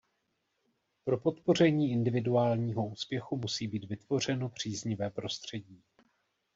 Pro podpoření individuálního úspěchu musí být vytvořeno příznivé prostředí.